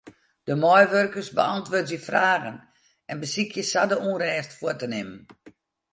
De meiwurkers beäntwurdzje fragen en besykje sa de ûnrêst fuort te nimmen.